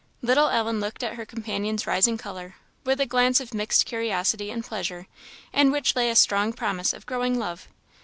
Little Ellen looked at her companion's rising colour, with a glance of mixed curiosity and pleasure, in which lay a strong promise of growing love.